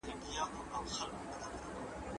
درې جمع درې؛ شپږ کېږي.